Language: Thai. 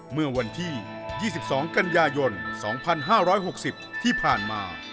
เมื่อวันที่๒๒กันยายน๒๕๖๐ที่ผ่านมา